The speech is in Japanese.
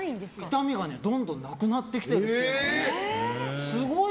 痛みがどんどんなくなってきてるという。